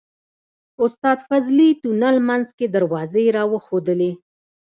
استاد فضلي تونل منځ کې دروازې راوښودلې.